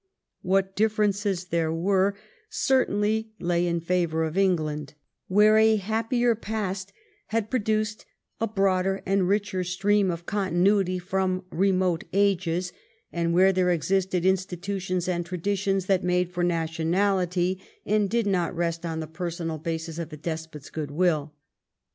What difterences there Avere certainly lay in favour of England, 148 EDWARD I chap, viii where a happier past had produced a broader and richer stream of continuity from remote ages, and where there existed institutions and traditions that made for nationality, and did not rest on the personal basis of a despot's goodwill.